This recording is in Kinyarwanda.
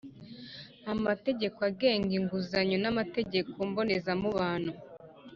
amategeko agenga izungura n’amategeko mbonezamubano,